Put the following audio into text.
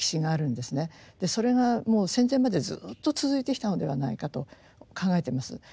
それがもう戦前までずっと続いてきたのではないかと考えてます。